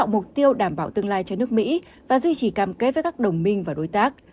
mục tiêu đảm bảo tương lai cho nước mỹ và duy trì cam kết với các đồng minh và đối tác